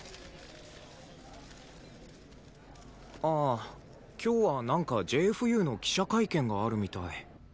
ああ今日はなんかＪＦＵの記者会見があるみたい。